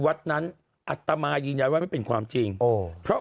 วัดนั้นอัตมายืนยันว่าไม่เป็นความจริงโอ้เพราะ